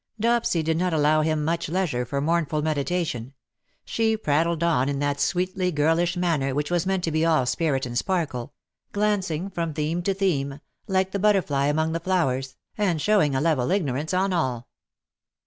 Dopsy did not allow him much leisure for mournful meditation. She prattled on in that sweetly girlish manner which was meant to be all spirit and sparkle — glancing from theme to theme, like the butterfly among the flowers, and showing a level ignorance on all.